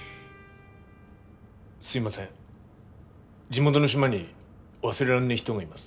すいません地元の島に忘れらんねえ人がいます。